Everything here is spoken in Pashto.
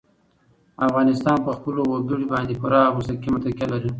افغانستان په خپلو وګړي باندې پوره او مستقیمه تکیه لري.